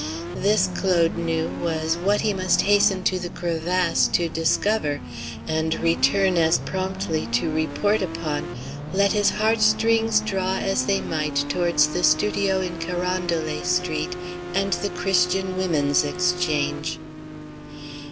This, Claude knew, was what he must hasten to the crevasse to discover, and return as promptly to report upon, let his heart strings draw as they might towards the studio in Carondelet Street and the Christian Women's Exchange.